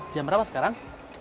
jam berapa sekarang